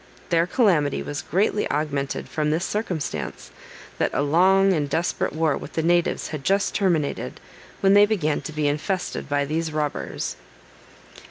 Their calamity was greatly augmented from this circumstance, that a long and desperate war with the natives had just terminated, when they began to be infested by these robbers.